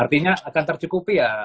artinya akan tercukupi ya